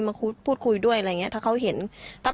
ไม่ตั้งใจครับ